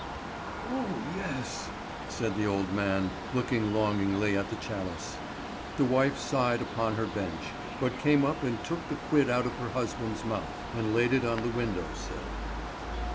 "Oh, yes," said the old man, looking longingly at the chalice. The wife sighed upon her bench, but came up and took the quid out of her husband's mouth, and laid it on the window sill.